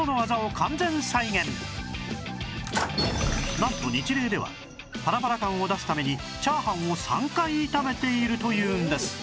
なんとニチレイではパラパラ感を出すために炒飯を３回炒めているというんです